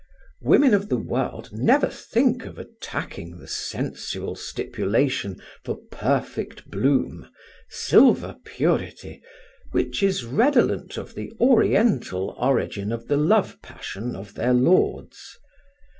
Women of the world never think of attacking the sensual stipulation for perfect bloom, silver purity, which is redolent of the Oriental origin of the love passion of their lords.